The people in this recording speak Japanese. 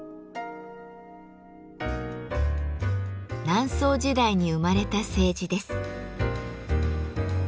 南宋時代に生まれた青磁です。